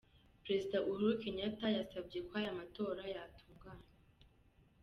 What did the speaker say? Prezida Uhuru Kenyatta yasavye kw'ayo matora yotunganywa.